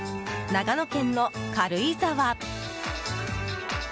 長野県の軽井沢。